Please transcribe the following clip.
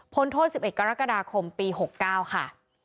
โทษ๑๑กรกฎาคมปี๖๙ค่ะ